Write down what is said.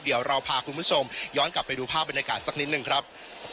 เดี๋ยวเราพาคุณผู้ชมย้อนกลับไปดูภาพบรรยากาศสักนิดหนึ่งครับ